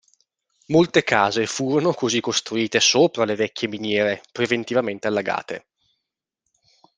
Molte case furono così costruite sopra le vecchie miniere, preventivamente allagate.